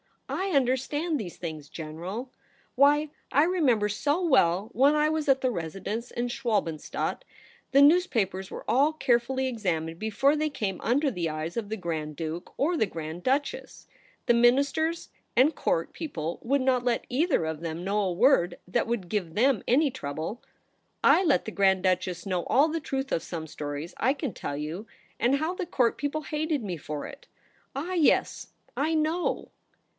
/ understand these things, General. Why, I remember so well when I was at the Residenz in Schwalbenstadt, the news papers were all carefully examined before 176 THE REBEL ROSE. they came under the eyes of the Grand Duke, or the Grand Duchess. The Ministers and Court people would not let either of them know a word that would give tkem any trouble. / let the Grand Duchess know all the truth of some stories, I can tell you ; and how the Court people hated me for it ! Ah, yes ;/ know.'